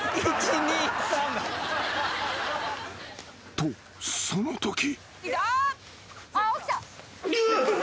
［とそのとき］